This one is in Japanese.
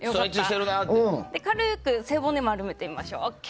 軽く背骨を丸めてみましょう。